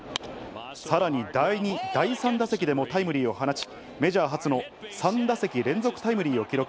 さらに第２・第３打席でもタイムリーを放ち、メジャー初の３打席連続タイムリーを記録。